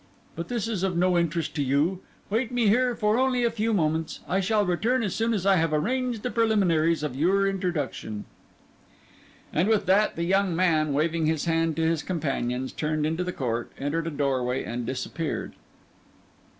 But this is of no interest to you. Wait me here for only a few moments; I shall return as soon as I have arranged the preliminaries of your introduction." And with that the young man, waving his hand to his companions, turned into the court, entered a doorway and disappeared.